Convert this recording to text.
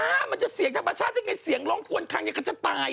ไอ้บ้ามันจะเสียงธรรมชาติได้ไงเสียงร้องควนคังอย่างกันจะตาย